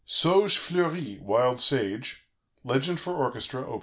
" "SAUGEFLEURIE" ["WILD SAGE"], LEGEND FOR ORCHESTRA: Op.